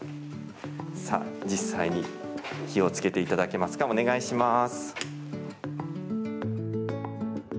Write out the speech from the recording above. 実際に火をつけていただけますかお願いします。